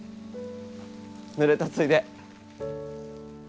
ぬれたついで。